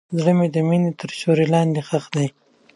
زړه مې د مینې تر سیوري لاندې ښخ دی.